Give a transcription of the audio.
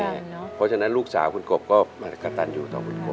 เพราะฉะนั้นลูกสาวคุณกบก็มากระตันอยู่ต่อคุณกบ